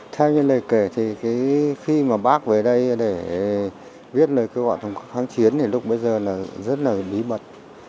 theo như lời kể thì khi mà bác về đây để viết lời kêu gọi tổng kháng chiến thì lúc bây giờ là rất là bí mật